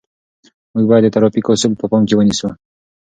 موږ باید د ترافیکو اصول په پام کې ونیسو.